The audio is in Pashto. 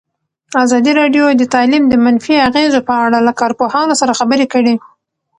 ازادي راډیو د تعلیم د منفي اغېزو په اړه له کارپوهانو سره خبرې کړي.